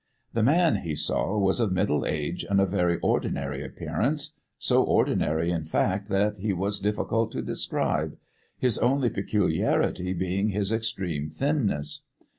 The man, he saw, was of middle age and of very ordinary appearance; so ordinary, in fact, that he was difficult to describe his only peculiarity being his extreme thinness.